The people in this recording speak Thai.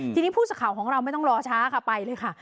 ทีนี้ผู้สื่อข่าวของเราไม่ต้องรอช้าค่ะไปเลยค่ะ